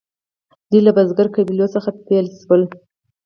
دوی له بزګرو قبیلو څخه بیل شول.